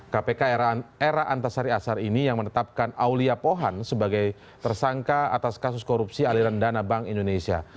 kpk era antasari asar ini yang menetapkan aulia pohan sebagai tersangka atas kasus korupsi aliran dana bank indonesia